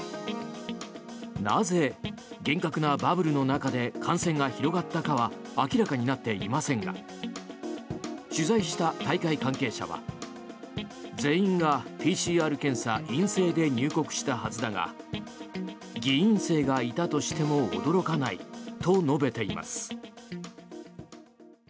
なぜ、厳格なバブルの中で感染が広がったかは明らかになっていませんが取材した大会関係者は全員がＰＣＲ検査陰性で入国したはずだが偽陰性がいたとしても驚かないと述べています。